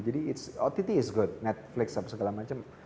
jadi ott is good netflix apa segala macam